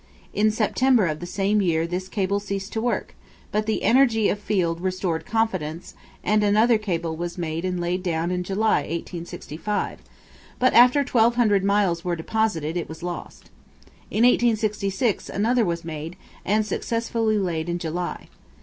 In September of the same year this cable ceased to work, but the energy of Field restored confidence, and another cable was made and laid down in July, 1865, but after 1200 miles were deposited it was lost. In 1866 another was made and successfully laid in July.